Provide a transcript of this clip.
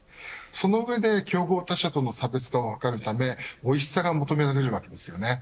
その上で競合他社との差別化を図るためおいしさが求められるわけですよね。